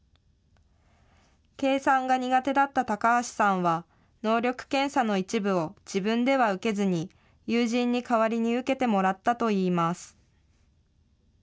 計算が苦手だった高橋さんは、能力検査の一部を自分では受けずに友人に代わりに受けてもらったといいます。